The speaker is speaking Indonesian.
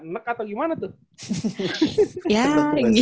nek atau gimana tuh